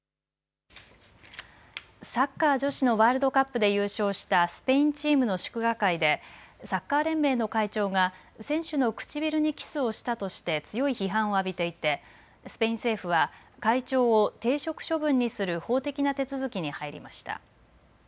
サッカー女子のワールドカップで優勝したスペインチームの祝賀会で、サッカー連盟の会長が選手の唇にキスをしたとして強い批判を浴びていてスペイン政府は会長を停職処分にする法的な手続きに入りました。